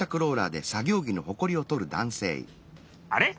あれ？